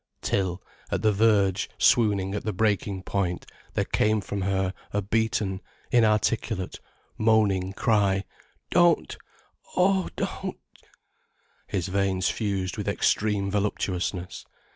Till, at the verge, swooning at the breaking point, there came from her a beaten, inarticulate, moaning cry: "Don't—oh, don't!" His veins fused with extreme voluptuousness.